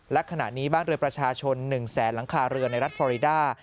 และขณะนี้บ้านเรือประชาชน๑แสนหลังคาเรือในรัฐฟอริดา